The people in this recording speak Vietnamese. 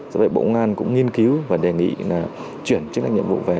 do vậy bộ ngoan cũng nghiên cứu và đề nghị là chuyển chức năng nhiệm vụ về